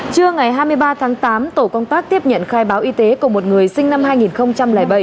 trưa ngày hai mươi ba tháng tám tổ công tác tiếp nhận khai báo y tế của một người sinh năm hai nghìn bảy